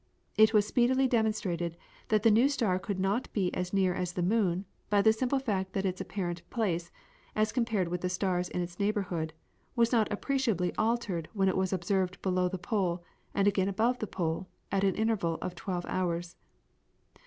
It was speedily demonstrated that the new star could not be as near as the moon, by the simple fact that its apparent place, as compared with the stars in its neighbourhood, was not appreciably altered when it was observed below the pole, and again above the pole at an interval of twelve hours.